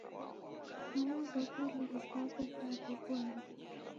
W'ana na w'alimu w'aw'o w'aroghuana.